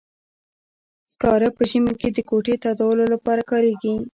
سکاره په ژمي کې د کوټې تودولو لپاره کاریږي.